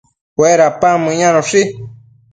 Uedapan meyanoshi